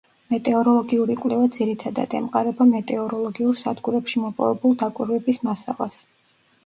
მეტეოროლოგიური კვლევა ძირითადად ემყარება მეტეოროლოგიურ სადგურებში მოპოვებულ დაკვირვების მასალას.